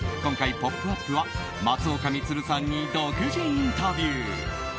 今回、「ポップＵＰ！」は松岡充さんに独自インタビュー。